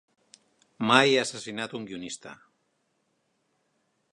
Mai he assassinat un guionista.